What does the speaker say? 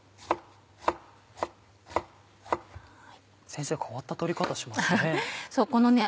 先生変わった取り方しますね。